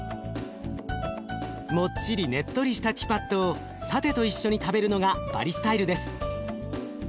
もっちりねっとりしたティパットをサテと一緒に食べるのがバリスタイルです。